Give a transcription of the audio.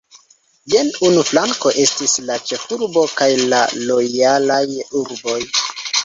Je unu flanko estis la ĉefurbo kaj la lojalaj urboj.